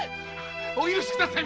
お許しください。